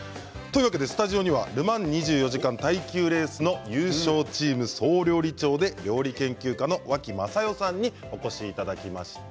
スタジオにはル・マン２４時間耐久レースの優勝チーム総料理長で料理研究家の脇雅世さんにお越しいただきました。